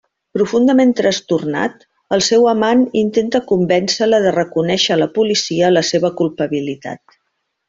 Profundament trastornat, el seu amant intenta convèncer-la de reconèixer a la policia la seva culpabilitat.